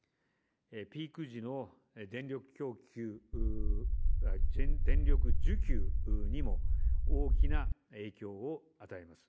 ピーク時の電力需給にも、大きな影響を与えます。